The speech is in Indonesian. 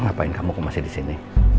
ngapain kamu kok masih disini